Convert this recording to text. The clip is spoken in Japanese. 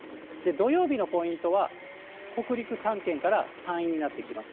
土曜日のポイントは北陸３県から山陰になってきます。